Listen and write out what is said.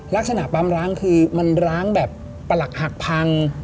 ลักษณะปั๊มร้างคือมันร้างแบบประหลักหักพัง